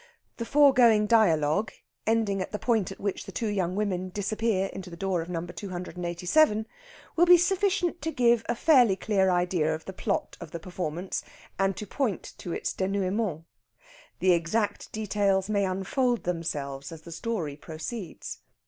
The foregoing dialogue, ending at the point at which the two young women disappear into the door of No. 287, will be sufficient to give a fairly clear idea of the plot of the performance, and to point to its dénouement. The exact details may unfold themselves as the story proceeds.